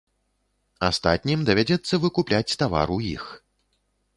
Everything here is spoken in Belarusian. Астатнім давядзецца выкупляць тавар у іх.